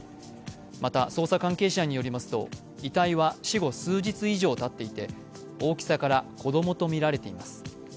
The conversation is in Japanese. また、捜査関係者によりますと遺体は死後数日以上たっていて大きさから子供とみられています。